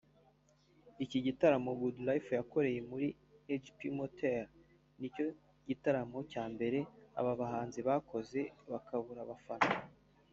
Iki gitaramo Goodlyfe yakoreye muri Agip Motel ni cyo gitaramo cya mbere aba bahanzi bakoze bakabura abafana